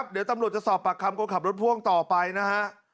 เดี๋ยวตำรวจจะสอบปากคำคนขับรถพ่วงต่อไปนะฮะ